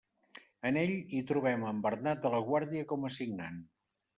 En ell, hi trobem en Bernat de la Guàrdia com a signant.